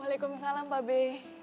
waalaikumsalam pak be